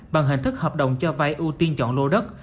bằng hình thức hợp đồng cho vay ưu tiên chọn lô đất